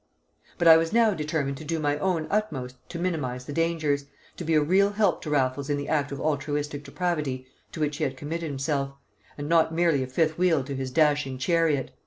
But I was now determined to do my own utmost to minimise the dangers, to be a real help to Raffles in the act of altruistic depravity to which he had committed himself, and not merely a fifth wheel to his dashing chariot.